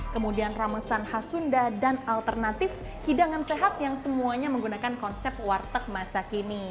kemudian ramesan khas sunda dan alternatif hidangan sehat yang semuanya menggunakan konsep warteg masa kini